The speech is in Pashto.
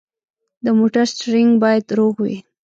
د موټر سټیرینګ باید روغ وي.